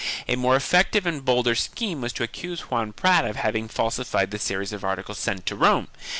1 A more effective and bolder scheme was to accuse Juan Prat of having falsified the series of articles sent to Rome.